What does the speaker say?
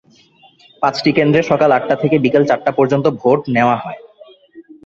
পাঁচটি কেন্দ্রে সকাল আটটা থেকে বিকেল চারটা পর্যন্ত ভোট নেওয়া হয়।